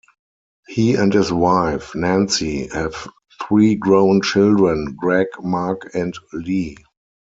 He and his wife, Nancy, have three grown children, Greg, Mark and Lee.